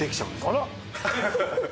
あら！